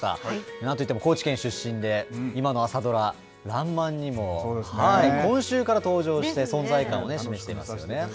なんといっても高知県出身で、今の朝ドラらんまんにも、今週から登場して、存在感を示していますよね。